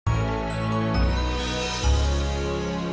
gue gak mau cari nulan deket deket sama roman